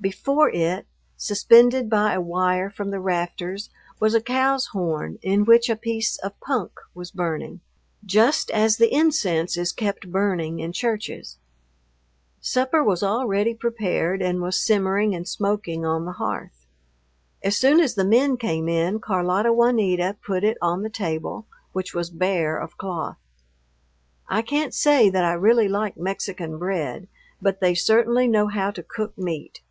Before it, suspended by a wire from the rafters, was a cow's horn in which a piece of punk was burning, just as the incense is kept burning in churches. Supper was already prepared and was simmering and smoking on the hearth. As soon as the men came in, Carlota Juanita put it on the table, which was bare of cloth. I can't say that I really like Mexican bread, but they certainly know how to cook meat.